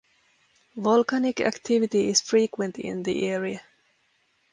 Volcanic activity is frequent in the area.